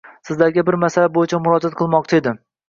Sizlarga bir masala buyichba murojaat qilmoqchi edim.